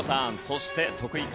そして得意